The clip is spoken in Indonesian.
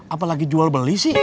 apalagi jual beli sih